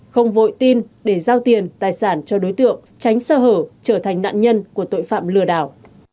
không vội tin để giao tiền tài sản cho đối tượng tránh sơ hở trở thành nạn nhân của tội phạm lừa đảo